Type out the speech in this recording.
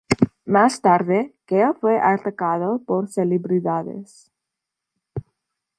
Más tarde, Kaya fue atacado por celebridades.